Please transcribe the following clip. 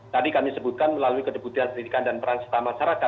tadi kami sebutkan melalui kedebutan pendidikan dan peran setama setama